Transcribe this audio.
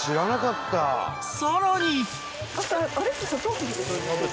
［さらに］